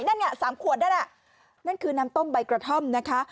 นั่นเนี่ย๓ขวดนั่นแหละนั่นคือน้ำต้มใบกระท่อมนะคะ